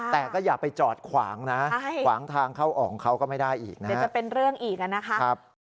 แต่ก็อย่าไปจอดขวางนะขวางทางเข้าอ่องเขาก็ไม่ได้อีกนะ